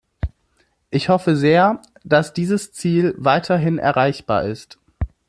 Ich hoffe sehr, dass dieses Ziel weiterhin erreichbar ist.